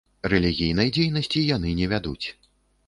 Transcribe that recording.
Рэлігійнай дзейнасці яны не вядуць.